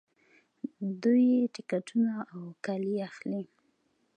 دوی ټکټونه او کالي اخلي.